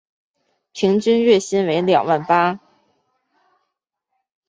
平均月薪为两万八